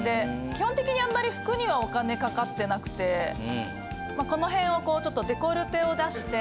基本的にあんまり服にはお金かかってなくてこの辺をこうちょっとデコルテを出して。